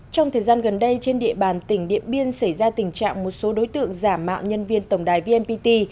trong thời gian gần đây trên địa bàn tỉnh điện biên xảy ra tình trạng một số đối tượng giả mạo nhân viên tổng đài vnpt